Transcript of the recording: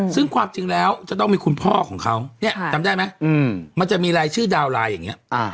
ซึ่งความจริงแล้วจะต้องมีคุณพ่อของเขาเนี่ยจำได้ไหมมันจะมีรายชื่อดาวไลน์อย่างนี้